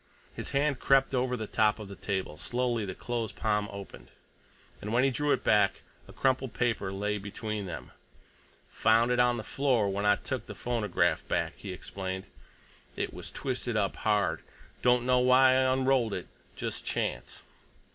His hand crept over the top of the table; slowly the closed palm opened, and when he drew it back, a crumpled paper lay between them. "Found it on the floor when I took the phonograph back," he explained. "It was twisted up hard. Don't know why I unrolled it. Just chance."